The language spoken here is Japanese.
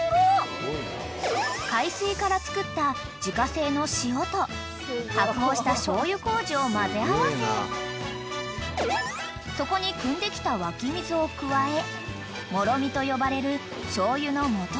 ［海水からつくった自家製の塩と発酵した醤油麹を混ぜ合わせそこにくんできた湧き水を加えもろみと呼ばれる醤油のもとを造る］